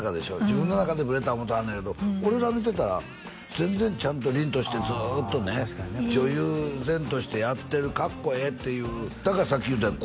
自分の中ではブレた思うてはるねんけど俺ら見てたら全然ちゃんと凛としてずーっとね女優然としてやってるかっこええっていうだからさっき言うたんよ